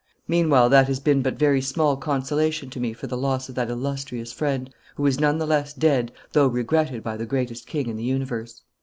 Meanwhile that has been but very small consolation to me for the loss of that illustrious friend, who is none the less dead though regretted by the greatest king in the universe."